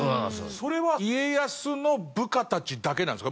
それは家康の部下たちだけなんですか？